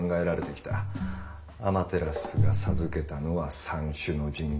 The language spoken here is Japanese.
アマテラスが授けたのは「三種の神器」。